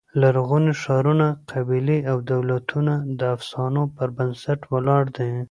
لرغوني ښارونه، قبیلې او دولتونه د افسانو پر بنسټ ولاړ دي.